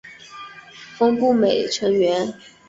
峰步美成员。